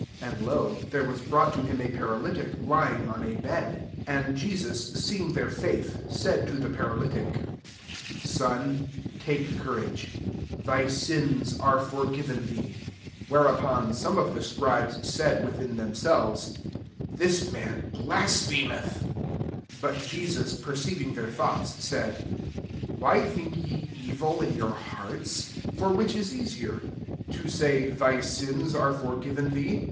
^ And, lo, there was brought to him a paralytic, lying on a bed : and Jesus seeing their &ith, saidto the paralytic, << Son, take coiK'Sige ; thy sins are forgiven thee." 3 Whereupon some of 36 MATTHEW IX. the Scribes said within them selves, ^^ This man blasphem eth.'* 4 But Jesus perceiving their thoughts, said, " Why think ye evil in your hearts ? 5 For which is easier ? to say, ' Thy sins are forgiven thee